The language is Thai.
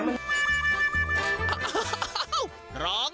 อุ๊ยไม่อยากเหมือนกัน